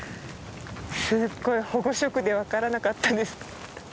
すごい保護色で分からなかったです。